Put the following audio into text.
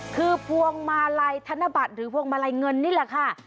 คือพวงมาลัยธนบัตรหรือพวงมาลัยเงินนี่แหละค่ะ